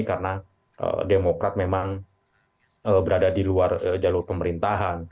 karena demokrat memang berada di luar jalur pemerintahan